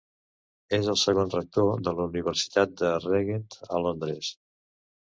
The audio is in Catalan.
És el segon rector de la Universitat de Regent a Londres.